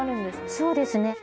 そうですね。